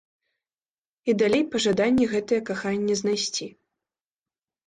І далей пажаданні гэтае каханне знайсці.